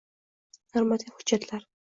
Normativ hujjatlar